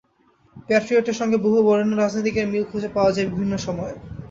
প্যাট্রিয়টের সঙ্গে বহু বরেণ্য রাজনীতিকের মিল খুঁজে পাওয়া যায় বিভিন্ন সময়ে।